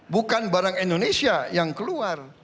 bukan barang indonesia yang keluar